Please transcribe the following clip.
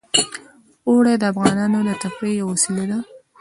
اوړي د افغانانو د تفریح یوه وسیله ده.